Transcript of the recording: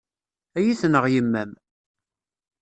Ad yi-tenɣ yemma-m.